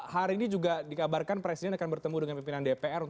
hari ini juga dikabarkan presiden akan bertemu dengan pimpinan dpr